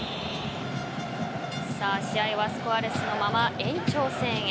試合はスコアレスのまま延長戦へ。